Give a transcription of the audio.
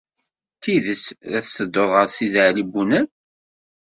D tidet la tetteddud ɣer Sidi Ɛli Bunab?